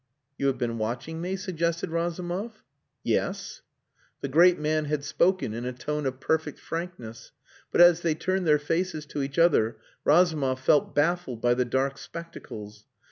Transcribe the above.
"You have been watching me?" suggested Razumov. "Yes." The great man had spoken in a tone of perfect frankness, but as they turned their faces to each other Razumov felt baffled by the dark spectacles.